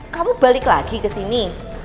kamu balik lagi kesini